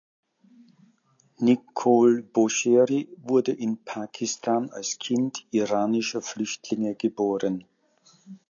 Nikohl Boosheri wurde in Pakistan als Kind iranischer Flüchtlinge geboren.